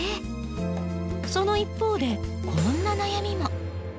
その一方でこんな悩みも。